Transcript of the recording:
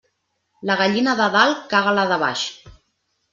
La gallina de dalt caga la de baix.